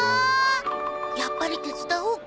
やっぱり手伝おうか。